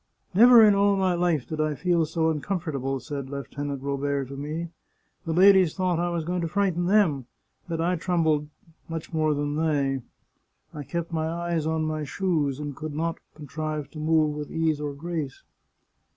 " Never in all my life did I feel so un comfortable," said Lieutenant Robert to me. " The ladies thought I was going to frighten them — but I trembled much more than they! I kept my eyes on my shoes, and could not contrive to move with ease or grace.